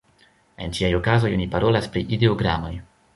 En tiaj okazoj oni parolas pri ideogramoj.